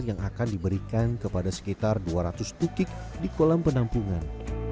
yang akan diberikan kepada sekitar dua ratus pukik di kolam penampungan